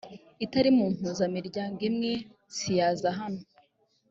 itari mu mpuzamiryango imwe siyaza hano